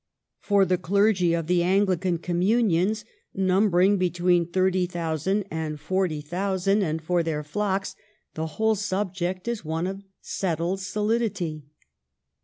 For the clergy of the Anglican communions, number ing between thirty thousand and forty thousand. GLADSTONE'S BUSY LEISURE 407 and for their flocks, the whole subject is one of settled solidity.